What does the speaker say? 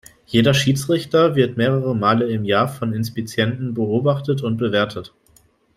Jeder Schiedsrichter wird mehrere Male im Jahr von Inspizienten beobachtet und bewertet.